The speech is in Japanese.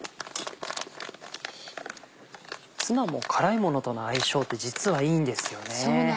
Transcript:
ツナも辛いものとの相性って実はいいんですよね。